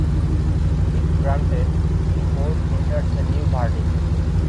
If granted, the court enters a new verdict.